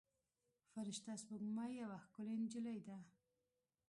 فرشته سپوږمۍ یوه ښکلې نجلۍ ده.